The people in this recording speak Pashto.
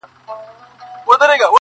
په پسته ژبه يې نه واى نازولى؛